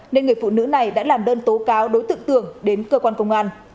nên người phụ nữ này đã làm đơn tố cáo đối tượng tường đến cơ quan công an